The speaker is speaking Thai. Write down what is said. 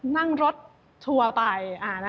นั่งรถทัวร์ไป